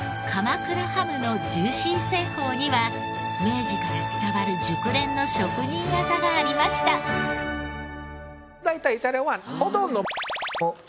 ハムのジューシー製法には明治から伝わる熟練の職人技がありました。